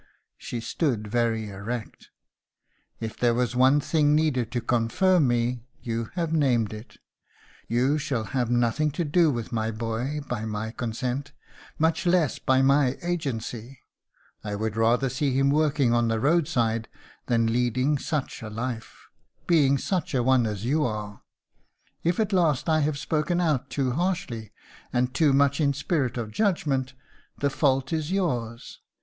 She stood very erect. "If there was one thing needed to confirm me, you have named it. You shall have nothing to do with my boy by my consent, much less by my agency. I would rather see him working on the roadside than leading such a life being such a one as you are.... If at last I have spoken out too harshly and too much in a spirit of judgment, the fault is yours.